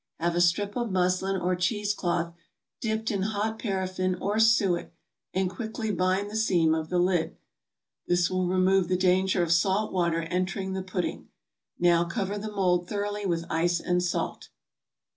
Have a strip of muslin or cheese cloth dipped in hot paraffin or suet and quickly bind the seam of the lid. This will remove all danger of salt water entering the pudding. Now cover the mold thoroughly with ice and salt.